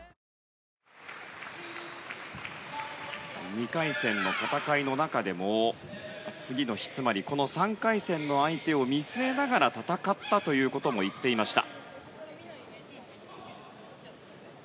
２回戦の戦いの中でも次の日、つまり３回戦の相手を見据えながら戦ったということも言っていました。